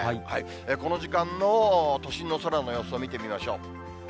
この時間の都心の空の様子を見てみましょう。